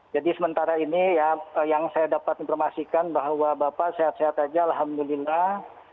jadi sementara ini ya yang saya dapat informasikan bahwa bapak sehat sehat saja alhamdulillah